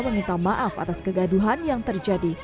meminta maaf atas kegaduhan yang terjadi